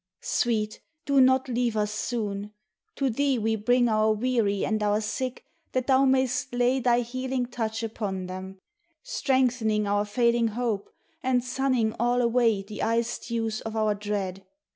Sweet, do not leave us soon ; to thee we bring Our weary and our sick that thou mayst lay Thy healing touch upon them, strengthening Our failing hope and sunning all away The ice dews of our dread.